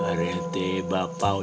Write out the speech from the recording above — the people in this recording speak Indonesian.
para etek bapak